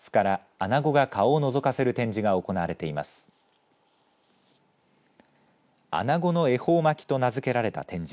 アナゴの恵方巻と名付けられた展示。